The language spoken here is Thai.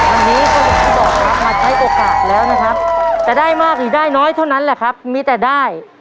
วันนี้ก็อย่างที่บอกครับมาใช้โอกาสแล้วนะครับจะได้มากหรือได้น้อยเท่านั้นแหละครับมีแต่ได้